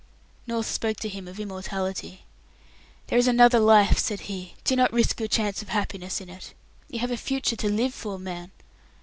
North spoke to him of immortality. "There is another life," said he. "Do not risk your chance of happiness in it. You have a future to live for, man."